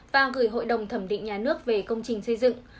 và gửi hội đồng thẩm định nhà nước về công trình xây dựng